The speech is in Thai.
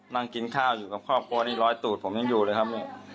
นั่งกินข้าวอยู่กับครอบครัวนี่ร้อยตูดผมยังอยู่เลยครับเนี่ย